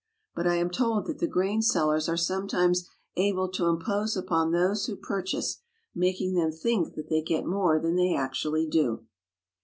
But I am told that the grain sellers are some times able to impose upon those who purchase, making them think they get more than they really do.